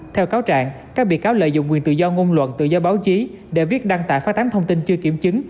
theo cáo trạng các bị cáo lợi dụng quyền tự do ngôn luận tự do báo chí để viết đăng tải phát tán thông tin chưa kiểm chứng